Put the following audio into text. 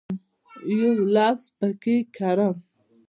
یو لفظ پکښې کرم